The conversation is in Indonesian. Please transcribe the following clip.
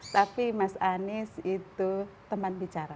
tapi mas anies itu teman bicara